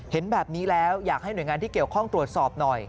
เห็นแบบนี้แล้วอยากให้หน่วยงานที่เกี่ยวข้องตรวจสอบหน่อย